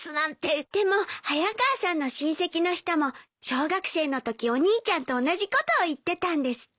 でも早川さんの親戚の人も小学生のときお兄ちゃんと同じことを言ってたんですって。